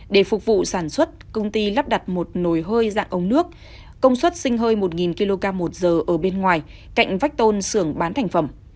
để phục vụ sản xuất công ty lắp đặt một nồi hơi dạng ống nước công suất sinh hơi một kg một giờ ở bên ngoài cạnh vách tôn sưởng bán thành phẩm